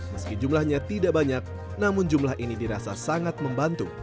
meski jumlahnya tidak banyak namun jumlah ini dirasa sangat membantu